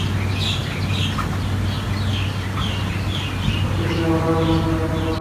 সব কিছুই আবারও আগে মতো হয়ে গেলো।